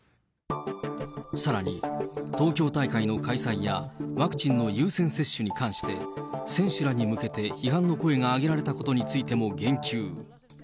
さらに東京大会の開催やワクチンの優先接種に関して、選手らに向けて批判の声が上げられたことについても言及。